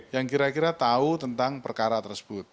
yang kira kira tahu tentang perkara tersebut